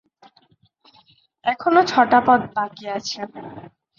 এখনো ছটা পদ বাকি আছে।